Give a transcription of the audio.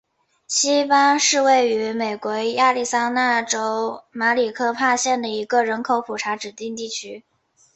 锡巴是位于美国亚利桑那州马里科帕县的一个人口普查指定地区。